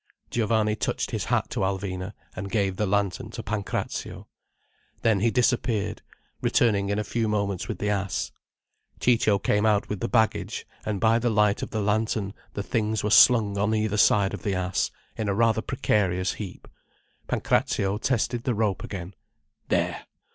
Giovanni touched his hat to Alvina, and gave the lantern to Pancrazio. Then he disappeared, returning in a few moments with the ass. Ciccio came out with the baggage, and by the light of the lantern the things were slung on either side of the ass, in a rather precarious heap. Pancrazio tested the rope again. "There!